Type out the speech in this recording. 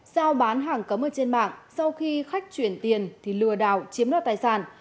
sau bán hàng cấm ở trên mạng sau khi khách chuyển tiền thì lừa đào chiếm đoạt tài sản